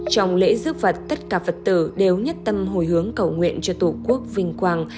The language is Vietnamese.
trong lễ rước vật tất cả phật tử đều nhất tâm hồi hướng cầu nguyện cho tổ quốc vinh quang